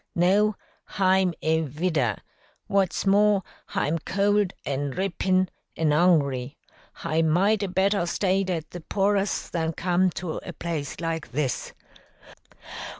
"No, hi'm a vidder. What's more, hi'm cold, and drippin', an' 'ungry. Hi might 'a' better stayed at the poor us than come to a place like this."